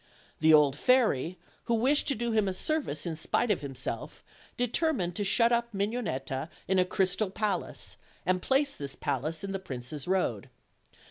The old fairy, who wished to do him a service in spite of him self, determined to shut up Mignonetta in a crystal palace, and place this palace in the prince's road.